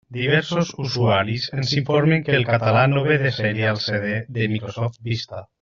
Diversos usuaris ens informen que el català no ve de sèrie als CD de Microsoft Vista.